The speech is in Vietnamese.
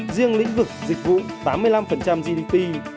riêng lĩnh vực dịch vụ tám mươi năm gdp